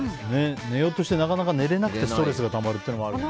寝ようとしてなかなか寝れなくてストレスがたまることもある。